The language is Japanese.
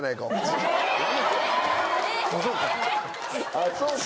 あぁそうか。